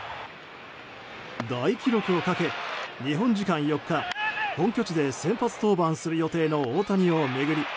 大記録をかけ、日本時間４日本拠地で先発登板する予定の大谷を巡り